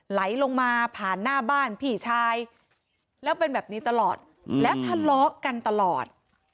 ไหลลงมาผ่านหน้าบ้านพี่ชายแล้วเป็นแบบนี้ตลอดแล้วทะเลาะกันตลอด